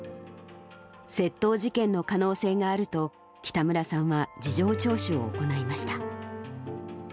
窃盗事件の可能性があると、北村さんは事情聴取を行いました。